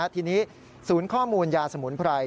ทีนี้ศูนย์ข้อมูลยาสมุนไพร